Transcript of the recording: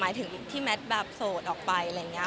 หมายถึงที่แบบโสตออกไปอะไรอย่าง